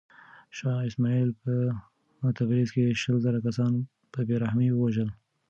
شاه اسماعیل په تبریز کې شل زره کسان په بې رحمۍ ووژل.